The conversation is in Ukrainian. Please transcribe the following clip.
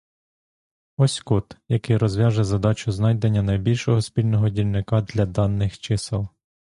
Ось код, який розв'яже задачу знайдення найбільшого спільного дільника для даних чисел: